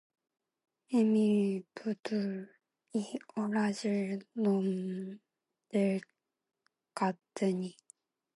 에미를 붙을 이 오라질 놈들 같으니